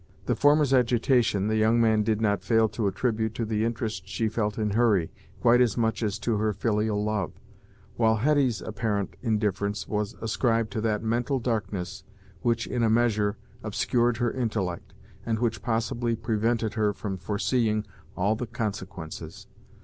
The former's agitation, the young man did not fail to attribute to the interest she felt in Hurry, quite as much as to her filial love, while Hetty's apparent indifference was ascribed to that mental darkness which, in a measure, obscured her intellect, and which possibly prevented her from foreseeing all the consequences.